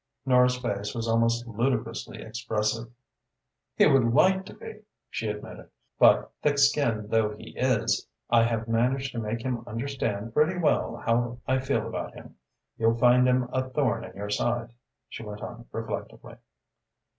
Nora's face was almost ludicrously expressive. "He would like to he," she admitted, "but, thick skinned though he is, I have managed to make him understand pretty well how I feel about him. You'll find him a thorn in your side," she went on reflectively.